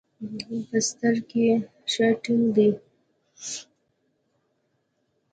په ستر کښې ښه ټينګ دي.